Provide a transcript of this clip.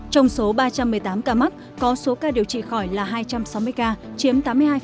trong số ba trăm một mươi tám ca mắc có số ca điều trị khỏi là hai trăm sáu mươi ca chiếm tám mươi hai